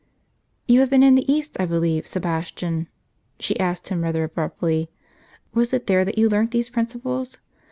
"You have been in the East, I believe, Sebastian," she asked him, rather abruptly; "was it there that you learnt these principles?